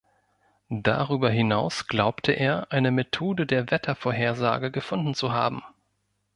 Darüber hinaus glaubte er, eine Methode der Wettervorhersage gefunden zu haben.